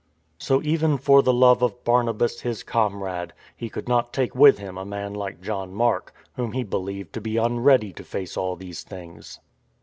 ^ So even for the love of Barnabas, his comrade, he could not take with him a man like John Mark, whom he believed to be unready to face all these things.